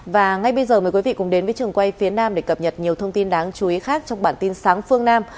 và ngay bây giờ mời quý vị cùng đến với trường quay phía nam để cập nhật nhiều thông tin đáng chú ý khác trong bản tin sáng phương nam